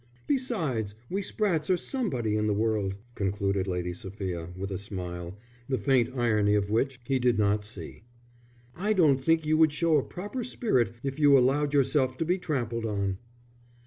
"Besides, we Sprattes are somebody in the world," concluded Lady Sophia, with a smile, the faint irony of which he did not see. "I don't think you would show a proper spirit if you allowed yourself to be trampled on."